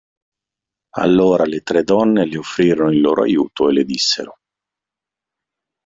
Allora le tre donne le offrirono il loro aiuto e le dissero.